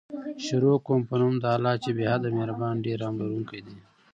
شروع کوم په نوم د الله چې بې حده مهربان ډير رحم لرونکی دی